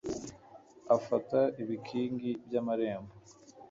afata ibikingi by'amarembo